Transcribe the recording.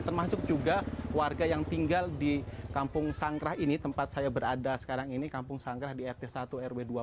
termasuk juga warga yang tinggal di kampung sangkrah ini tempat saya berada sekarang ini kampung sangkrah di rt satu rw dua